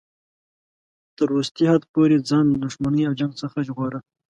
تر وروستي حد پورې ځان له دښمنۍ او جنګ څخه ژغوره.